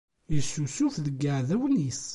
Isusuf deg yiɛdawen-is.